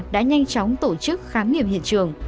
đã nhanh chóng tổ chức khám nghiệm hiện trường